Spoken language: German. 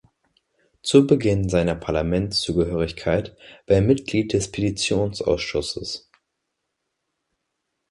Zu Beginn seiner Parlamentszugehörigkeit war er Mitglied des Petitionsausschusses.